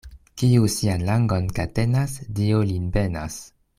Kiu sian langon katenas, Dio lin benas.